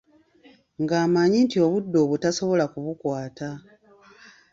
Ng'amanyi nti obudde obwo tasobola kubukwata.